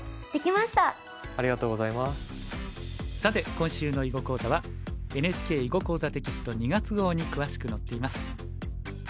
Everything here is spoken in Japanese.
さて今週の囲碁講座はＮＨＫ「囲碁講座」テキスト２月号に詳しく載っています。